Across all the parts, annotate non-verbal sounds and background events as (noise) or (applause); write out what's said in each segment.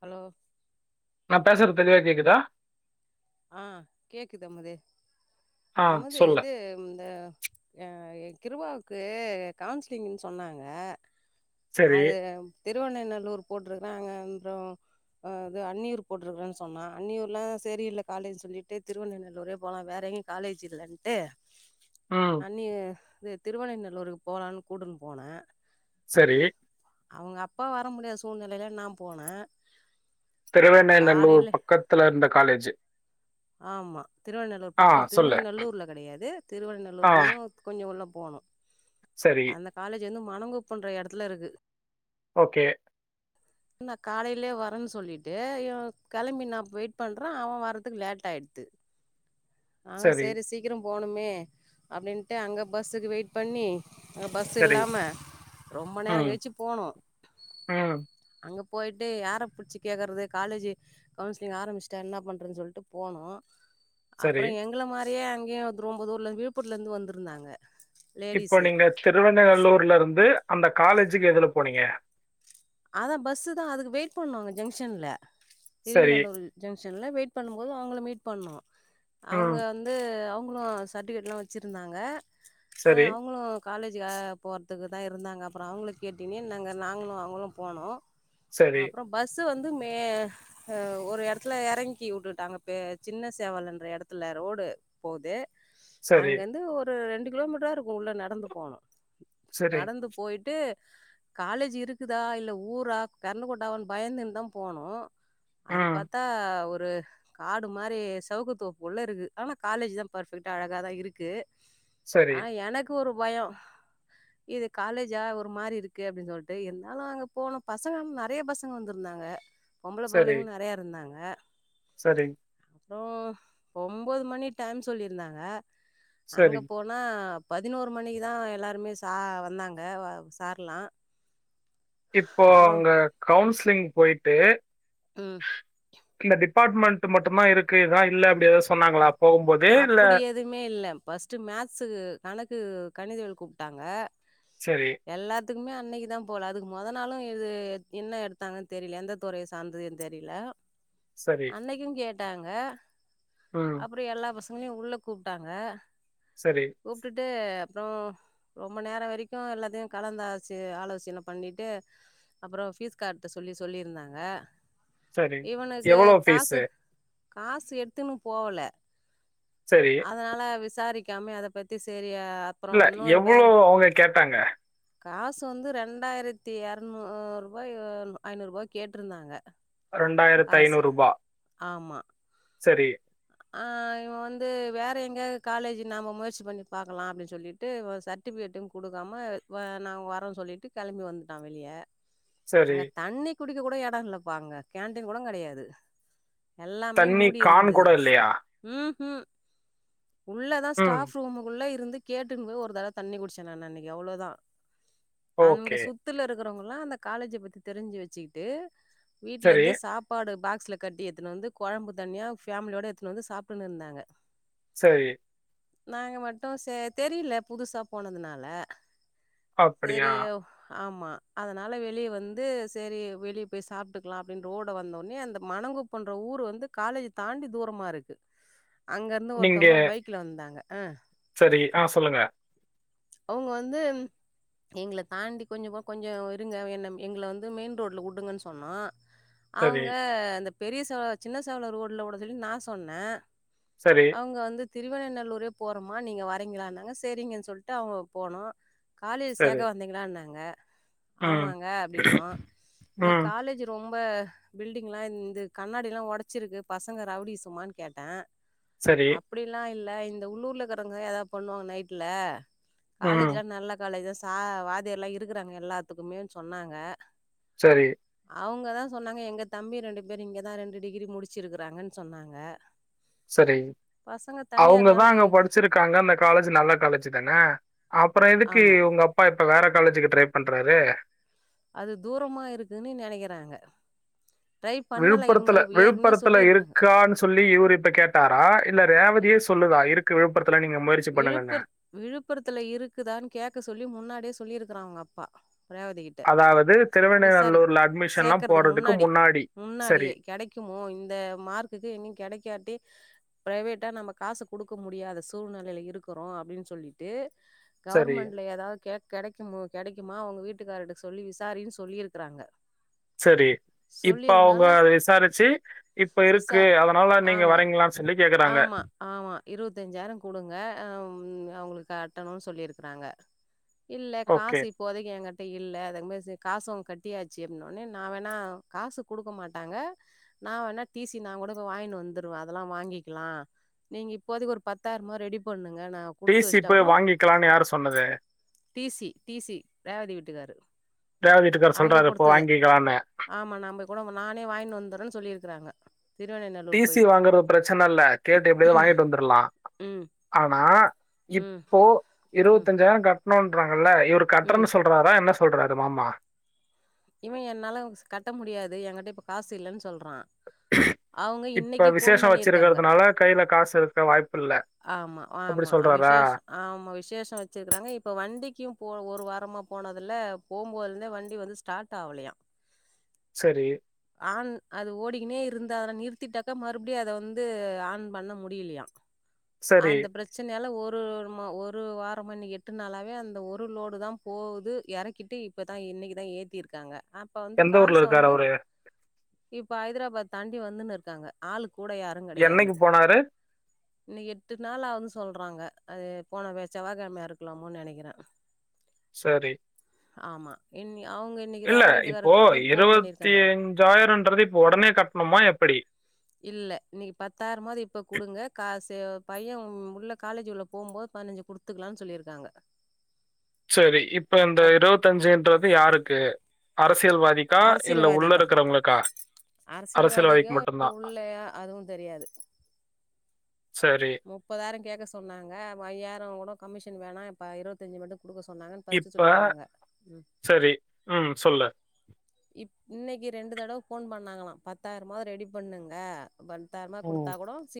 Hello நா பேசுறது தெளிவா கேக்குதா ஆ கேக்குது முதே ஆ அமுதே சொல்லு இது ம் இந்த ஆ கிருவாவுக்கு கவுன்சிலிங்ன் சொன்னாங்க சரி அது திருவண்ணெணநல்லூர் போட்டிருக்கறே அங்க அப்புறோ அ இது அன்னியூர் போட்டிருக்கறேன் சொன்னா அன்னியூர்லா செரியில்ல காலேஜ் சொல்லிட்டு திருவண்ணநல்லூரே போகலா வேறு எங்கியு காலேஜ் இல்லன்ட்டு ம் அண்ணியே இது திருவனைநல்லூருக்கு போகலான் கூட்டுன்னு போனே சேரி அவுங்க அப்பா வர முடியாத சூழ்நிலையில நா போனே திருவெண்ணைநல்லூர் காலையில பக்கத்துல இருந்த காலேஜ் ஆமா திருவெண்ணநல்லூர் பக்கோ சொல்லு திருவெண்ணநல்லூர்ல கெடையாது ஆ திருவநல்லூர் இன்னு கொஞ்சோ உள்ள போனு சரி அந்த காலேஜ் வந்து மணங்குப்ப இன்ற எடத்துல இருக்கு ஓகே நா காலையிலயே வரேன் சொல்லிட்டு அயோ கிளம்பி நா வெயிட் பண்றே அவன் வர்றதுக்கு லே த்தாய்த்து நாங்க சரி சேரி சீக்கிரம் போணுமே அப்பிடின்ட்டு அங்க பஸ்ஸுக்கு வெயிட் பண்ணி அ பஸ் சரி இல்லாம ரொம்ப நேரோ ம் கழிச்சி போனோ ம் அங்க போயிட்டு யார புட்ச்சு கேக்குறது காலேஜு கவுன்சிலிங் ஆரம்பிச்சிட்டா என்ன பண்றன் சொல்ட்டு போனோ சரி அப்றொ எங்கள மா ரியே அங்கயே வ ரொம்பதூர்லந்து விழுப்பூர்லந்து வந்துருந்தாங்க இப்ப நீங்க திருவண்ணநல்லூர்லருந்து அந்த காலேஜுக்கு எதுல போனீங்க? அதா பஸ்ஸு தா அதுக்கு வெயிட் பண்ணுவாங்க ஜங்ஷன்ல சரி திருவநல்லூர் ஜங்ஷன்ல வெயிட் பண்ணும் போது அவுங்கள மீட் பண்ணோ அவுங்க ம் வந்து அவு ங்களு செர்டிஃபிகேட் லா வச்சுருந்தாங்க ஆ சரி அவுங்களு காலேஜு போற த்துக்கு தா இருந்தாங்க அப்றோ அவுங்கள கேட்டீனே நாங்க நாங்களு அவுங்களு போனோ சரி அப்ற பஸ் து வந்து மே ஒரு எடத்துல எறங்கி வுட்டுட்டாங்க பே சின்ன சேவலுன்ற எடத்துல ரோடு போது சரி அங்கந்து ஒரு ரெண் டு‌ கிலோமீட்ரா இருக்கு உள்ள நடந்து போனோ சரி நடந்து போய்ட்டு காலேஜு இருக்குதா இல் ல ஊரா கரண்டு கொட்டாவான் பயந்துன் தா போனோ அது ம் பாத்தா ஒ ரு காடு மாரி சவுக்குத்தோப்புக்குள்ள இருக்கு ஆனா காலேஜ் தா பர்ஃபெக்ட்டா அழகா தா இருக்கு சரி ஆனா எனக்கு ஒரு பயொ இது காலேஜா ஒரு மாரி இருக்கு அப்டி சொல்ட்டு இருந்தாலு அங்க போனொ பசங்க நறைய பசங்க வந்திருந்தாங்க பொம்பள சரி புள்ளைங்கள் நறைய இருந்தாங் க சரி அப்றோ ஒம்போது மணி டைம் சொல்லிருந்தாங்க சரி அங்க போனா பதினோரு மணிக்குதா எல்லாருமே சா வந்தாங்க வ சார்லா இப்போ அப்றோ அங்க கவுன்சிலிங் போயி தே ம் இல்ல டிபார்ட்மெண்ட்டு மட்டுந்தா இருக்குது எதா இல்ல அப்டி எதாவது சொன்னாங்களா போகும்போது இல்ல அப்புடி எதுமே இல்ல ஃபஸ்ட்டு மேக்ஸ்ஸு கணக்கு கணிதவியல் கூப்ட்டாங்க சரி எல்லாத்துக்குமே இன்னைக்குதா போல அதுக்கு மொத நாளு இது என்ன எடுத்தாங்கன் தெரியில எந்த துறைய சாந்ததுன் தெரியில சரி அன்னைக்குங் கேட் டாங்க ம் எல்லா பசங்களையு உள்ள கூப்ட்டாங்க சரி கூப்டுட்டு அப்புறமோ ரொம்ப நேரோ வரைக்கு எல்லாத்தையு கலந்தாச்சு ஆலோசின பண்ணிட்டு அப்புறோ ஃபீஸ் கட்ட சொல்லி சொல்லியிருந்தாங்க செரி இவனுக்கு எவ்வளோ காசு ஃபீஸ்ஸு காசு எடுத்துன்னு போவல சரி அதனால விசாரிக் க்காம அத பத்தி சேர் இல்ல எவ்வளோவ் அவங்க கேட்டாங்க காசு வந்து ரெண்டாயிரத்தி எரநூறுபாய் ஐநூறுபா கேட்டுருந்தாங்க ரெண்டாயிரத்து ஐந்நூறுபா ஆமா. செரி ஆ இவ வந்து வேற எங்கயாவது காலேஜ் நாம முயற்சி பண்ணி பாக்கலா அப்டின் சொல்லிட்டு இவ சர்ட்டிஃபிகேட்டையு குடுக்காம நாங்க வரோன் சொல்லிட்டு கெளம்பி வந்துட்டா வெளிய சரி அங்க தண்ணிக் குடிக்க கூட எடோ இல்லப்பா அங்க கேன்டீன் கூட கெடையாது தண்ணி கான்னு கூட இல்லையா ம்வூ உள்ளதா ம் ஸ்டாப் ரூமுக்குள்ள இரு இருந்து கேட்டுன் போய் ஒரு தடவ தண்ணி குடுச்ச நா அன்னைக்கு எவ்வளோதா அங்க ஓகே சுத்துல இருக் இருக்குறவங்கல்லா அந்த காலேஜ பத்தி தெருஞ்சு வெச்சுக்கிட்டு வீட்ல சரி இருந்தே சாப்பாடு பாக் பாக்ஸ்ல்ல கட்டி எத்துனு வந்து கொழம்பு தனியா ஃபேமலியோட எத்துனு வந்து சாப்டுன்னு இருந்தாங்க சேரி நாங்க மட்டு சே தெரில புதுசா போனதுனால சரி, அப்டியா ஆமா அதனால வெளிய வந்து சேரி வெளிய போய் சாப்டுக்கலா அப்டின் ரோட வந்தோனே அந்த மணங்குப்பன்ற ஊரு வந்து காலேஜ்ஜு தாண்டி தூரமா இருக்கு அங்க இருந்த ஒருத்தவங்க பைக்ல வந்தாங்க அ சேரி ஆ சொல்லுங்க அவங்க வந்து எங்கள தாண்டி கொஞ்சோ கூட கொஞ்சோ இருங்க என்ன எங்கள வந்து மெயின் ரோடுல உடுங்கன் சொன்னோ சரி அவங்க அந்த பெரிய செவ சின்ன செவல ரோடுல உட அப்டின் சொல்லி நா சொன்ன சரி அவங்க வந்து திருவண்ணநல்லூரே போறமா நீங்க வரீங்களானாங்க சேரிங்கன் சொல்ட்டு அவங்க போனோ காலேஜ் சேக்க சரி வந்தீங்களான்னாங்க ம் ஆமாங்க அப்டின்னோ இங்க ம் காலேஜ்ஜு ரொம் ரொம்ப பில்டிங் எல்லா இந்த கண்ணாடி எல்லா ஒடச்சுருக்கு பஸ் பசங்க ரவுடிசம்மான் கேட்ட சரி அப்டிலா இல்ல இந்த உள்ளூர்ல இருக்குறவங்க எதாது பண்ணுவாங்க நைட்ல ம் காலேஜ்ல்லா நல்ல காலேஜ்தாஸ் சா வாத்தியார்லா இருக்குறாங்க எல்லாத்துக்குமேன் சொன்னாங்க செரி அவங்கத்தா சொன்னாங்க எங்க தம்பி ரெண்டு பேர் இங்கதா ரெண்டு டிகிரி முடுச்சுருக்கு றாங்கன் சொன்னாங்க செரி பசங்க தனியா அவங்கதா இருந்தாலே அங்க படுச்சுருக்காங்கன் அந்த காலேஜ் நல்ல காலேஜ்ஜுதான அப்புறோ எதுக்கு ஆமா. உங்கப்பா வேற காலேஜுக்கு ட்ரை பண்றாரு அது தூரமா இருக்குனு நெனைக்கிறாங்க ட்ரை பண்ணல இவங்க விழுப்புரத்துல ஏற்கனவே விழுப்புரத்துல சொல்லியிருக்கிறாங்க. இருக்கானு சொல்லி இவரு இப்ப கேட்டாரா இல்ல ரேவதியே சொல்லுதா இருக் க்குவே பர்த் விழுப்புர விழுப்புரத்துல இருக்குதான் கேக்க சொல்லி முன்னாடியே சொல்லிருக்குறா அவுங்கப்பா ரேவதிகிட்ட அதாவது விசாரி திருவண்ணநல்லூர்ல அட்மிஷன்லா சேக்கறதுக்கு போடுறதுக்கு முன்னாடி சரி முன்னாடியே கெடைக்குமோ இந்த மார்குக்கு எங்யு கெடைக்காட்டி பிரைவேட்டா நம்ம காசு குடுக்க முடியாத சூழ்நெ லைல இருக்குறோ அப்டின் சொல்லிட்டு சரி கவர்மெண்ட்ல எதா கே கடை க்குமொ கெடைக்குமா அவுங்க வீட்டுக்காரர்ட சொல்லி விசாரின் சொல்லியிருக்குறாங்க. சரி இப்ப அவுங்க விசாரிச்சு இப்ப விசா இருக்கு அதனால நீங்க ஆமா வரீங்களான் சொல்லி கேக்குறாங்க குடுங்க ம் அவுங்களு கட்டணு சொல்லிருக்குறாங்க இல்ல ஓகே காசு இப்போதைக் ஏங்கிட் ட இல்ல அதுங்மாசு காசு அவ கட்டியாச்சு அப்டின்னோனே நா வேணா காசு குடுக்க மாட்டாங்க நா வேணா டி சி நா கூட போய் வாங்கினு வந்துருவே அதெல்லா வாங்கிக்கிலா நீங்க இப்போதைக் ஒரு பத் தாயிரமா ரெடி பண்ணு டி சி ய போய் வாங்கிக்கலான் யாரு சொன்னது D C D C Revathi வீட்டுக்காரு ரேவதி வீட்டுக்கார் சொல்றாரு இப்போ அங்கக்குடுத்தத வாங்கிக்கலான்னு ஆமா நம்மக்கூட நானே வாங்கினு வந்துறேன் சொல்லியிரு க்குறாங்க டி சி வாங்குறது பிரச்சனல்ல கேட்டு எப்படியாது வாங்கிட்டு வந்துர்லா ம் ஆனா ம் இப்போ ம் இருவத்தஞ்சாயிர கட் னுன்றாங் கல்ல இவர் ம் கட்றன் சொல்றாரா என்ன சொல்றாரு மாமா இவ என்னால கட்ட முடியாது எங்கிட்ட இப்ப காசு இல்லன் சொல்றா அவுங்க இப்ப இன்னைக்கி ஃபோன் விசேஷம் பண்ணிருக்காங்க வச்சிருக்கிறதுனால கையில காசு இருக்க வாய்ப்பு இல்ல ஆமா அப்படி ஆமா அ சொல்றாரா விசேஷ ஆமா விசேஷ வச்சுருக்குறாங்க இப்ப வண்டிக்கு போல ஒரு வாரமா போனதுல போம்போதுலந்தே வண்டி வந்து ஸ்டார்ட் ஆவலயா சரி ஆன் அது ஓடிகினே இருந்தாரா நிறுத்திட்டாக்கா மறுப்டியு அத வந்து ஆன் பண்ண முடியிலயா சரி அந்த பிரச்சனயாலா ஒ ரு ம ஒரு வாரமான்னு எட்டு நாளாவே அந்த ஒரு லோடு தா போவுது எறக்கிட்டு இப்பதா இன்னைக்குதா ஏ த்திருக்காங்க அப்ப வந்து எந்த காச ஊர்ல இருக்காரு வந்து அவரு இப்ப ஹைதராபாத் தாண்டி வந்துன்னுருக்காங்க ஆளு கூட யாரும் கிடையாது. என்னைக்கு போனாரு இன்னைக்கு எட்டு நளாவுது சொல்றாங்க அது போன பேச் செவ்வ கெழமையா இருக்கலாமோன் நெனைக்கிற செரி ஆமா இன்னிய இல்ல இப்போ இருவத்தி பண்ணியிருக்காங்க அஞ்சாயிரன்றது இப்போ ஒடனே கட்ணுமா எப்டி இல்ல இன்னிக்கு பத்தாயிரம்மாது இப்ப குடுங்க காஸ் ச்சு பைய உள்ள காலேஜ் உள்ள போம்போது பதினஞ்சு குடுத்துக்கலான் சொல்லிருக்காங்க செரி இப்ப இந்த இருவத்தஞ்சுன்றது யாருக் க்கு அரசியல் வாதிக்கா இல்ல உள்ள அரசியல்வாதிக்கு இருக்கறவங்களுக்கா அரசியல் வாதிக்கு அரசியல்வாதிக்கு மட்டுந்தா உள்ளயா முப்பதாயிரங் கேக்க சொன்னாங்க ஐயாயிரங் கூட கமிஷன் வேணா இப்ப இருபத்தஞ்சு மட்டு குடுக்க சொன்னாங்கன்னு ஃபர்ஸ்ட் இப்ப சொல்லியிருக்காங்க ம் சேரி ம் சொல்லு இப் இன்னைக்கு ரெண்டு தடவ போன் பண்ணாங்களா பத்தாயிரமாது ரெடி பண்ணுங்க பத்தாரமா ம். குடுத்தா கூடோ சீ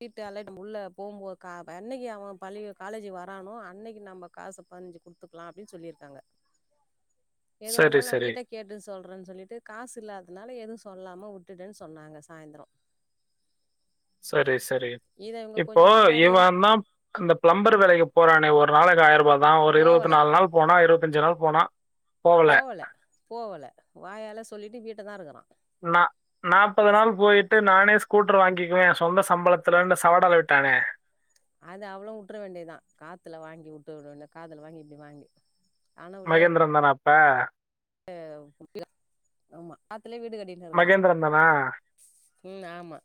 வீட்டால்ல நம்ம உள்ள போகும் போது கா என்னைக்கு அவ பள்ளிக்கு காலேஜுக்கு வரானோ அன்னைக்கு நம்ம காசு பதுனஞ்சு குடுத்துக்கலா அப்டின் சொல்லிருக்காங்க எது சரி, வந்தாலு நா சரி. வீட்ட கேட்டுஸ் சொல்றன் சொல்லிட்டு காஸ் இல்லாதனால எது சொல்லாம உட்டுட்டன் சொன்னாங்க சாயிந்துரோ சேரி சேரி இப்போ முன்னாடி இவந்தா அந்த பிளம்பர் வேலைக்கு போறானே ஒர் ஒரு நாளைக்கு ஆயிரூபா ஆகு நா ஒரு இருவத்தி போவல நாலு நாள் போனா இருவது கொஞ்ச நாள் போனா போகல. போவல போவல வாயால சொல்லிட்டு வீட்டதா இருக்குறா நா நாப்பது நாள் போயிட்டு நானே ஸ்கூட்டர் வாங்கிக்குவே சொந்த சம்பளத்துலன்னு சவடல விட்டானே அது அவ்ளோ உட்டுற வேண்டிதா காத்துல வாங்கி உட்டு உட வேண்டிதா காதுல வாங்கி இப்டி வாங்கி மகேந்திரன்தான அப் ப்ப (inaudible) த்துல வீடு கட்டின் இருக்குறா மகேந்திரன் தானா? ம் ஆமா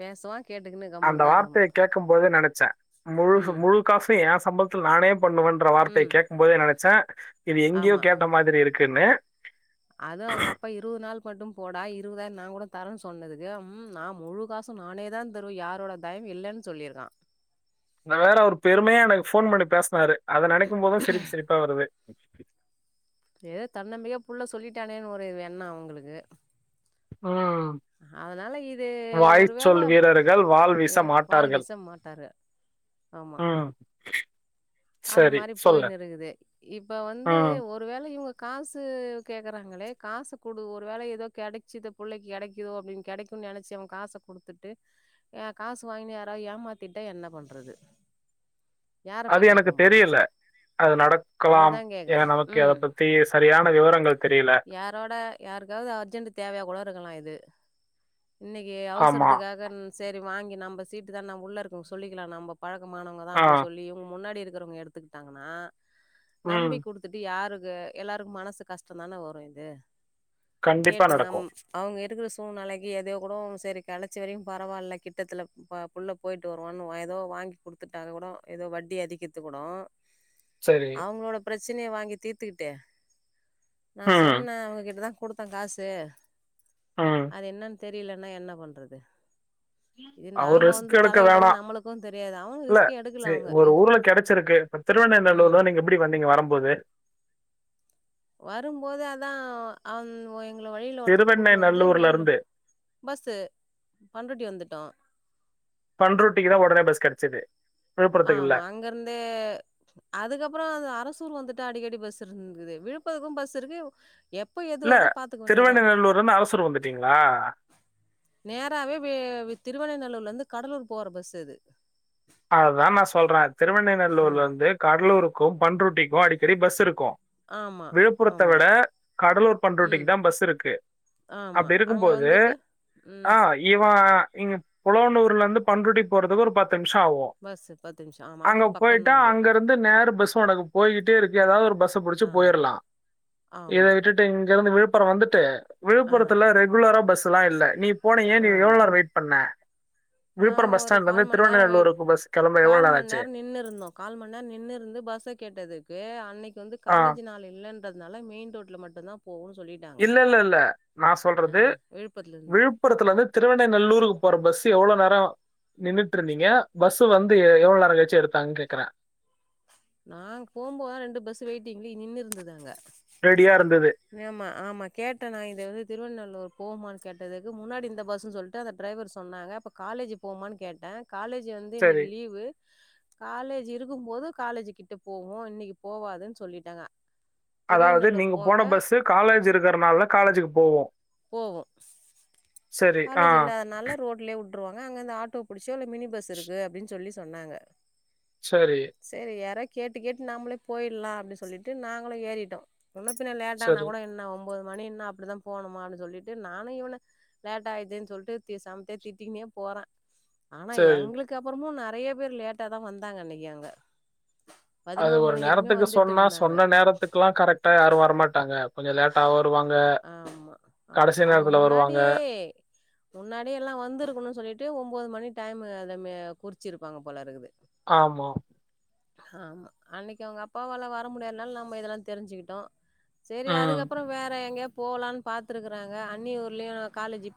பேசுவா கேட்டுக்குன்னு அந்த கம்முன்னு தா இருக்கணு வார்த்தய கேட்குபோதே நெனச்ச முழு ம் முழு காசு ஏ கம்பளதுல நானே பண்ணுவன்ற வார்த்தய ம் கேட்குபோதே நெனச்சே (inaudible) இது எங்கயோ கேட்ட மாதிரி இரு க்குன்னு அது அவுங்க அப்பா இருது நாள் மட்டு போடா இ இருவதாயரோ நா கூட தரன்னு சொன்னதுக்கு ம் நா முழு காசு நானே தா தருவ யாரோட தயவு இல்லன் சொல்லியிர்க்கா நா வேற அவரு பெருமயா எனக்கு ஃபோன் பண்ணி பேசனாரு அத நெனைக்போதா சிரிப்பு சிரிப்பா வருது (inaudible) ஏத தன்னம்பிக்கா புள்ள சொல்லிட்டானேன் ஒரு எண்ணோ அவுங்களுக்கு ம் அதனால இது வாய் ஒருவேள சொல் வீரர்கள் வாள் வீச வெ வாள் மாட்டார்கள் வீசமாட்டாரு ஆமா ம் அந்த சரி மாரி சொல்லு போய்னு இருகுது இப்ப வந்து ம் ஒருவேள இவுங்க காஸ் ஸு கேக்குறாங்களே காஸ் குடு ஒரு வேல ஏதோ கெடைச்சித புள்ளைக்கு கெடைக்குதோ அப்பிடின் கெடைக்குன் நெனச்சி அவன் காச குடுத்துட்டு அ காசு வாங்கினு யாராவது ஏமாத்திட்டா என்ன பண்றது யார அது பேய் எனக்கு கேக் தெரியல அது நடக்கலாம் அதுதா கேட்குற ஏன் நமக்கு அத ம் பத்தி சரியான விவரங்கள் தெரியல யாரோட யாருக்காவது அர்ஜென்ட் தேவையா கூட இருக்கலா இது இன்னிக்கி ஆமா அவசரத்துக்காக சரி வாங்கி நம்ப சீட்டு் தான் உள்ள இருக்கு சொல்லிக்கலா நம்போ பழக்கமானவங்க தா ஆ அப்பிடி சொல்லி இவுங்க முன்னாடி இரு க்கிறவங்க எடுத்துக்கிட்டாங்கன்னா ம் நம்பி குடுத்துட்டு யாரு ங்க எல்லாருக்கு மனசு கஷ்டோ தான வரு இது கண்டிப்பா கேட்டு நம் நடக்கும் அவுங்க எ ட்டுக்கிற சூழ்நிலைக்கி ஏதோயோ கூடோ சேரி கடச்சவரையு பரவாயில்ல கிட்டத்துள்ள ப புள்ள போயிட்டு வருவானு வ ஏதோ வாங்கி குடுத்துட்டா கூட ஏதோ வட்டி அதிக்க த்து கூடோ சரி அவுங்களோட பிரச்ச சினே வாங்கி தீர்த்துட்டு நா ம் சொன்ன அவங்ககிட்டதா கொடுத்த காசு ம் அது என்னன் தெரியலன்னா என்ன பண்றது இது அவர் நாம வந்து ரிஸ்க் எடுக்க தலையிடல் வேணாம் நம்மளுக்கு தெரியாது அவங் ரிஸ்க்கு எடுக்கல அவுங்க ச்சுருக்கு இப்ப திருவண்ணைநல்லூர்ல நீங்க எப்டி வந்தீங்க வரும் போது வரும்போது அதா அந் ஒ‌ எ ங்ள வழில ஒருத்தர திருவெண்ணை கூட்னு வந்து நல்லூர்ல மேல இருந்து பஸ்ஸு பண்ருட்டி வந்துட்டோ பண்ருட்டிக்கு தான் உடனே பஸ் கிடைச்சது விழுப்புரத்துக்கு இல்ல ஆமா அங்கருந்தே அதுக்கப்றொ அது அர சூர் வந்துட்டா அடிக்கடி பஸ் இருந்தது விழுப்புரக்கு பஸ் இருக்கு எப்ப எது இல்ல வருதோ பாத்துக்க வேண்டியதா திருவெண்ணநல்லூர்ல இருந்து அரசூர் வந்துட்டீங்களா நேராவெ வே திருவண்ணைநல்லூர் லெந்து கடலூர் போற பஸ் இது அதுதா நா சொல்றே ம் திருவண்ணைநல்லூர்லெந்து கடலூருக்கு பண்ருட்டி க்கு அடிக்கடி பஸ் இருக்கு ஆமா விழுப்புரத்த ஆமா விட கடலூர் பண்ருட்டிக்கு ம் தா பஸ் இருக்கு ஆமா அப்டி அங்க இருக்கும்போது வந்துட்டு ம் ஆ இவ இங்க புலவனூர்லந்து பண்ருட்டி போறதுக்கு ஒரு பத்து டாவு பஸ்ஸு பத்து நிமிஷம் ஆமா அங்க அங்கிருந்து போயிட்டா பக்கம்தான் அது அங்கருந்து நேர் பஸ் ஒனக்கு போயிட்டே இருக்கு எதா ஒரு பஸ்ஸ புடுச்ச ஆமா போயிர்லா இத ஆமா விட்டுட்டு இங்கெருந்து விழுப் அப்புறொ வந்துட்டு ஆ விழுப்புரத்துல ரெகுலரா பஸ் த்தல்லா இல்ல நீ போனீங்க நீ ஆமா எவ்ளோ நேர வெயிட் பண்ண விழுப்புரம் பஸ் ஸ்டாண்ட்லந்து திருவண்ணை வெய் கால் மண் நேர நின்னுருந்தோ கால் மண் நேர நின்னுருந்து பஸ்ஸ கேட்டதுக்கு அன்னைக் கு‌ வந்து ஆ காலேஜு நாள் இல்லன் றதுனால மெயின் ரோட்ல மட்டுந்தா இல்லெல்லெல்ல நா சொல்றது விழுப்புரத்துல இருந்து விழுப்புரத்துலெந்து திருவண்ணைநல்லூருக்கு போற பஸ் த்து எவ்வளொ நேர நின்னுட்ருந்தீங்க பஸ் வந்து எவ்ள நேர கழிச்சு எடுத்தாங்கன் கேக்குறே நாங்க போம்போதுதா ரெண்டு பஸ்ஸு வெயிட்டிங்ளை நின்னுருந்தது அங்க ரெடியா இருந்தது ஆமா ஆமா கேட்ட நா இது வந்து திருவண்ணல்லூர் போமான் கேட்டதுக்கு முன்னாடி இந்த பஸ்ஸு சொல்ட்டு அந்த டிரைவர் சொன்னாங்க இப்ப காலேஜு போமான்னு கேட்டே காலேஜ் வந்து சரி இன்னைக்கு லீவு காலேஜ் இருக்கும் போது காலேஜு கிட்ட போவோம் இன்னைக்கு போவாதுன்னு சொல்லிட்டாங்க அதாவது திருவண்ணாலூர் நீங்க போங்க போன பஸ்ஸு காலேஜ் இருக்கறனால காலேஜுக்கு போவும் போகும் ஆ காலேஜ் இல்லாதனால ரோட்லே வுட் ருவாங்க அங்க இருந்து ஆட்டோ புடிச் சுவலி மினி பஸ் இருக்கு அப்படின்னு சொல்லி சொன்னாங்க சரி செரி எறக் கேட்டு கேட்டு நம்மளே போயிடலாம் அப்படின்னு சொல்லிட்டு நாங்களே ஏறிட்டோம் முன்ன பின்ன லேட்டானா சரி கூட என்னா இப்ப மணி என்ன அப்படிதான் போனும்மான்னு சொல்லிட்டு நானும் இவன லேட் ஆயித்துேன்னு சொல்லிட்டு சமத்தேயா திட்டிக்கின்னே போறேன் ஆனா சரி எங்களுக்கு அப்புறமும் ந றைய பேர் லேட்டா தான் வந்தாங்க அன்னைக்கு அங்க அது பதினோரு ஒரு மணி வரைக்குமே நேரத்துக்கு வந்துட்டு சொன்னா இருந்தாங்க சொன்ன நேரத்துக்கெல்லாம் கரெக்ட்டா யாரும் வரமாட்டாங்க கொஞ்சம் லேட்டா வருவாங்க ஆமா ஆமா கடைசி அவங்க நேரத்துல வருவாங்க முன்னாடியே முன்னாடியே எல்லாம் வந்திருக்கணும்னு சொல்லிட்டு ஒம்போது மணி டைம்மு அத குறிச்சிருப்பாங்க போல இருக்குது ஆமா ஆமா அன்னைக்கு அவுங்க அப்பாவால வர முடியாதுனால நம்ம இதெல்லாம் தெரிஞ்சுக்கிட்டோம் செரி ம் அதுக்கப்புறம் வேற எங்கயா போலான்னு பாத்துருக்கறாங்க அன்னிய ஊர்லயும் காலேஜ் இப்ப